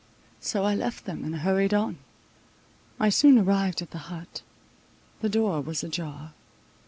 So I left them, and hurried on. I soon arrived at the hut: the door was ajar.